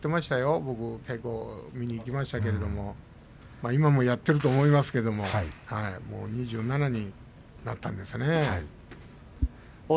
私も稽古を見に行きましたけど今もやってると思いますけどもう２７になったんですね。